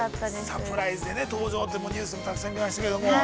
◆サプライズで登場ってニュースでもたくさん見ましたけども。